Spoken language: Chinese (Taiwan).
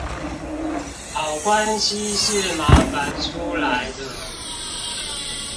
好關係是麻煩出來的